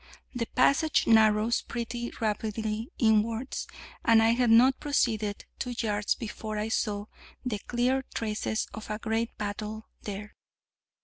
The passage narrows pretty rapidly inwards, and I had not proceeded two yards before I saw the clear traces of a great battle here.